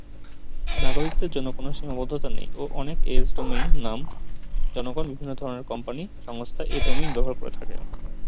নাগরিকদের জন্য কোন সীমাবদ্ধতা নেই ও অনেক এএস ডোমেইন নাম জনগণ, বিভিন্ন ধরনের কম্পানি, সংস্থা এ ডোমেইন ব্যবহার করে থাকে।